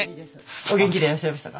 お元気でいらっしゃいましたか？